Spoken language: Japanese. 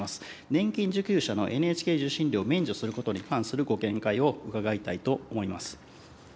年金受給者のＮＨＫ受信料免除することに関するご見解を伺いたいと思います。